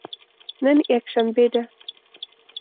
نن یکشنبه ده